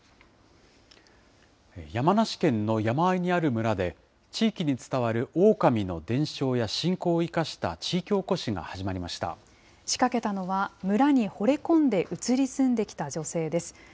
山梨県の山あいにある村で、地域に伝わるオオカミの伝承や信仰を生かした地域おこしが始まり仕掛けたのは村にほれ込んで移り住んできた女性です。